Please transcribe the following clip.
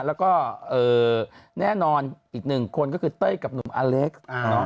แล้วก็แน่นอนอีกหนึ่งคนก็คือเต้ยกับหนุ่มอเล็กซ์